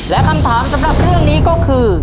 และคำถามสำหรับเรื่องนี้ก็คือ